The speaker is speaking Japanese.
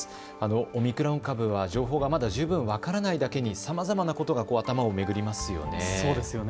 オミクロン株は情報がまだ十分分からないだけにさまざまなことが頭を巡りますよね。